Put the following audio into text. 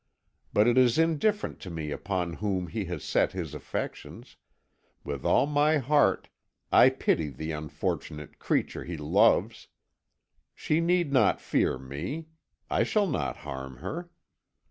But it is indifferent to me upon whom he has set his affections with all my heart I pity the unfortunate creature he loves. She need not fear me; I shall not harm her.